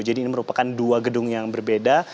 jadi ini merupakan dua gedung yang berbeda